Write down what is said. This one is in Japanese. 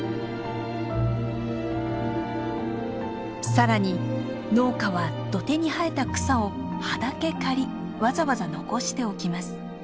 さらに農家は土手に生えた草を葉だけ刈りわざわざ残しておきます。